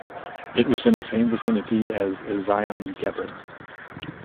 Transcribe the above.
It was in the same vicinity as Ezion-Geber.